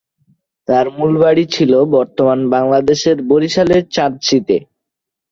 তাঁর মূল বাড়ি ছিলো বর্তমান বাংলাদেশের বরিশালের চাঁদশীতে।